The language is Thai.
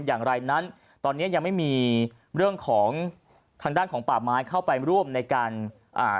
อย่างไรนั้นตอนเนี้ยยังไม่มีเรื่องของทางด้านของป่าไม้เข้าไปร่วมในการอ่า